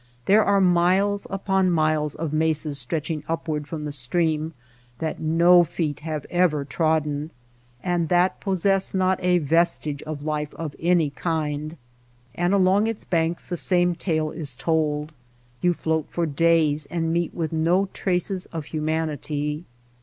There are miles upon miles of mesas stretching upward from the stream that no feet have ever trodden, and that possess not a vestige of life of any kind. And along its banks the same tale is told. You float for days and meet with no traces of humanity.